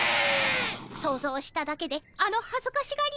想像しただけであのはずかしがりよう。